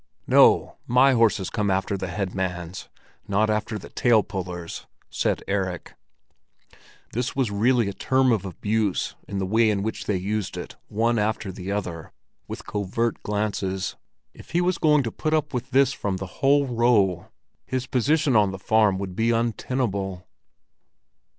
"No, my horses come after the head man's, not after the tail puller's," said Erik. This was really a term of abuse in the way in which they used it, one after the other, with covert glances. If he was going to put up with this from the whole row, his position on the farm would be untenable.